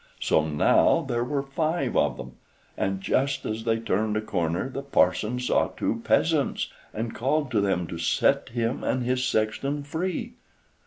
So now there were five of them, and just as they turned a corner the parson saw two peasants, and called to them to set him and his sexton free.